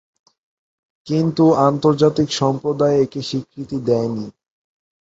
কিন্তু আন্তর্জাতিক সম্প্রদায় একে স্বীকৃতি দেয়নি।